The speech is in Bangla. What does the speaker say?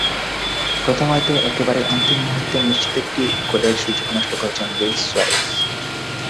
প্রথমার্ধের একেবারে অন্তিম মুহূর্তে নিশ্চিত একটি গোলের সুযোগ নষ্ট করেন লুইস সুয়ারেজ।